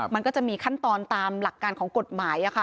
มันก็จะมีขั้นตอนตามหลักการของกฎหมาย